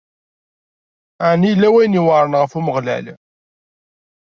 Ɛni yella wayen iweɛṛen ɣef Umeɣlal?